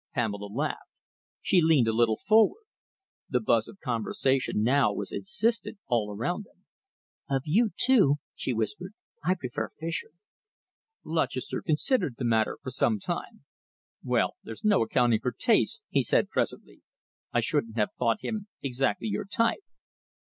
Pamela laughed. She leaned a little forward. The buzz of conversation now was insistent all around them. "Of you two," she whispered, "I prefer Fischer." Lutchester considered the matter for some time. "Well, there's no accounting for tastes," he said presently. "I shouldn't have thought him exactly your type."